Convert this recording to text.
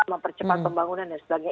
mempercepat pembangunan dan sebagainya